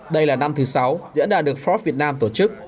đây là năm thứ sáu diễn đàn được forbes việt nam tổ chức